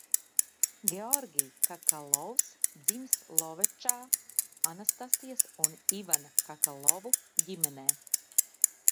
Georgi Kakalovs dzimis Lovečā, Anastasijas un Ivana Kakalovu ģimenē.